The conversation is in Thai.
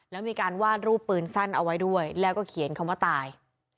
แล้วมีการวาดรูปปืนสั้นเอาไว้ด้วยแล้วก็เขียนคำว่าตาย